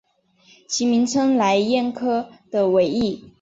其名称来燕科的尾翼。